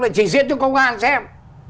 thì chỉ diễn cho công an xem